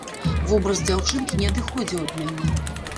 Вобраз дзяўчынкі не адыходзіў ад мяне.